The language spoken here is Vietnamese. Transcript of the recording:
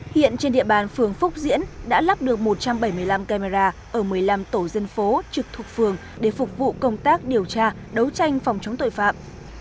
hiện trên địa bàn phường phúc diễn đã lắp được một trăm bảy mươi năm camera ở một mươi năm tổ dân phố trực thuộc phường để phục vụ công tác điều tra đấu tranh phòng chống tội phạm